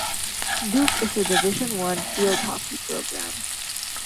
Duke is a Division One field hockey program.